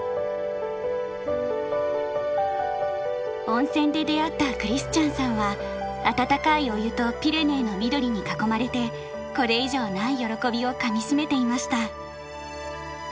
温泉で出会ったクリスチャンさんは温かいお湯とピレネーの緑に囲まれてこれ以上ない喜びをかみしめていました。